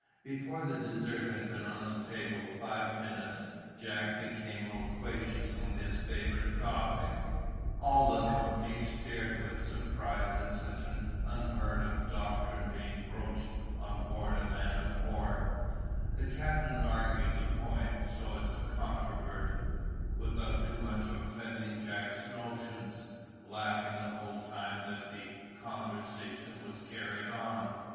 Before the dessert had been on the table five minutes, Jack became loquacious on his favorite topic; all the company stared with surprise at such an unheard of doctrine being broached on board of a man of war; the captain argued the point, so as to controvert, without too much offending, Jack's notions, laughing the whole time that the conversation was carried on.